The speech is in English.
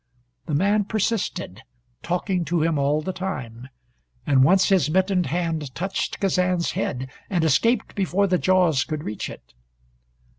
The man persisted, talking to him all the time, and once his mittened hand touched Kazan's head, and escaped before the jaws could reach it.